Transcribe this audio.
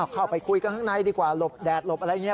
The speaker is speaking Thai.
เข้าไปคุยกันข้างในดีกว่าหลบแดดหลบอะไรอย่างนี้